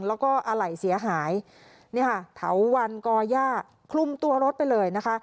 แล้วก็อะไหล่เสียหายเนี่ยค่ะเถาวันก่อย่าคลุมตัวรถไปเลยนะคะ